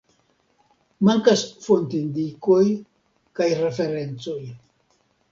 Mankas fontindikoj kaj referencoj.